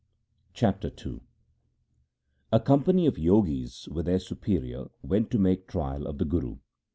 Chapter II A company of Jogis with their superior went to make trial of the Guru.